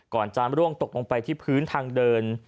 จามร่วงตกลงไปที่พื้นทางเดิน